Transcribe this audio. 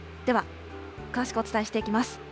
では、詳しくお伝えしていきます。